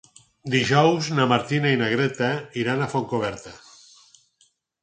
Dijous na Martina i na Greta iran a Fontcoberta.